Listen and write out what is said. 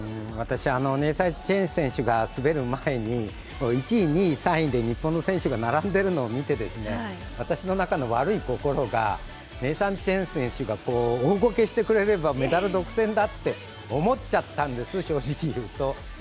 私、あのネイサン・チェン選手が滑る前に１位、２位、３位で日本の選手が並んでいるのを見て私の中の悪い心が、ネイサン・チェン選手が大ゴケしてくれればメダル独占だと思っちゃったんです、正直いうと。